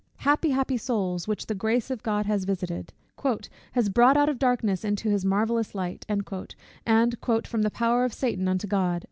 Happy, happy souls! which the grace of God has visited, "has brought out of darkness into his marvellous light," and "from the power of Satan unto God."